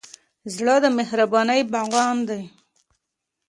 زړه د مهربانۍ باغوان دی.